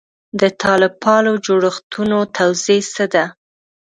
د طالب پالو جوړښتونو توضیح څه ده.